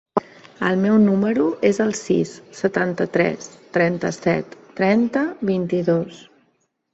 El meu número es el sis, setanta-tres, trenta-set, trenta, vint-i-dos.